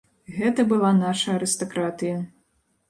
Гэта была наша арыстакратыя.